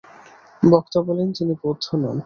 বক্তা বলেন, তিনি বৌদ্ধ নন।